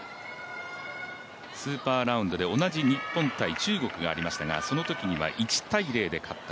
スーパーラウンドで同じ日本×中国がありましたがそのときには、１−０で勝った。